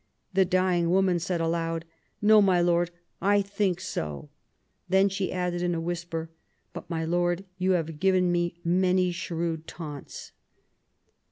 The dying woman said aloud :" No, my Lord, I think so ;" then she added in a whisper, " but, my Lord, you have given me many shrewd taunts